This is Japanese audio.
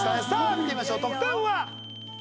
見てみましょう得点は？